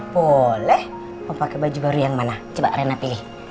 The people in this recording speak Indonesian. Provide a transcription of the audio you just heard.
boleh mau pake baju baru yang mana coba reina pilih